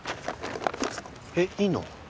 えっいいの？